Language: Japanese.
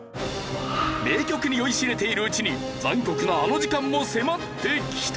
名曲に酔いしれているうちに残酷なあの時間も迫ってきた。